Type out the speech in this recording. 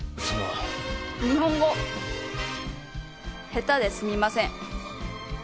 日本語下手ですみません。